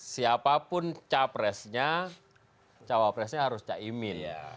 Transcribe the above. siapapun capresnya cawapresnya harus cawapresnya